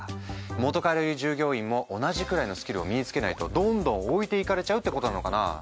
もとからいる従業員も同じくらいのスキルを身につけないとどんどん置いていかれちゃうってことなのかなあ？